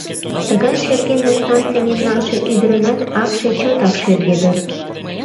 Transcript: Тыгай шерге настам сеҥен налше ӱдырынат акше чотак шерге дыр?